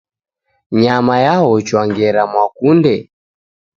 Nyama yaochwa ngera mwakunde.